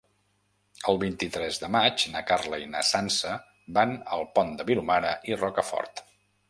El vint-i-tres de maig na Carla i na Sança van al Pont de Vilomara i Rocafort.